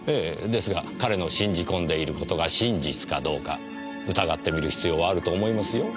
ですが彼の信じ込んでいることが真実かどうか疑ってみる必要はあると思いますよ。